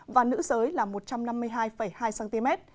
và nữ giới là một trăm năm mươi hai hai cm